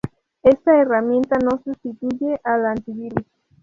Esta herramienta no sustituye al antivirus.